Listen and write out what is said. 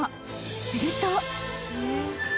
すると］